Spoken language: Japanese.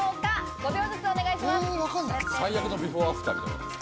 ５秒ずつお願いします。